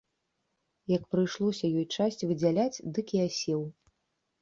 Як прыйшлося ёй часць выдзяляць, дык і асеў.